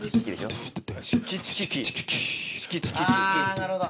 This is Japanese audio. あなるほど。